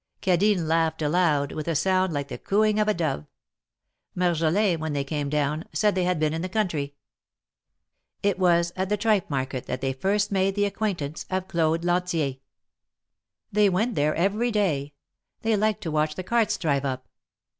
Cadine laughed aloud, with a sound like the cooing of a dove. Marjolin, when they came down, said they had been in the country. It was at the tripe market that they first made the acquaintance of Claude Lantier. They went there every THE MARKETS OF PARIS. 193 day. They liked to watch the carts drive up.